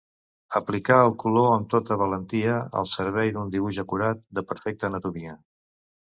Aplicà el color amb tota valentia, al servei d’un dibuix acurat, de perfecta anatomia.